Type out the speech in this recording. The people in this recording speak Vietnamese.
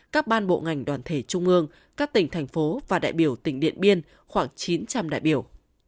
các ban bộ ngành đoàn thể trung ương các tỉnh thành phố và đại biểu tỉnh điện biên khoảng chín trăm linh đại biểu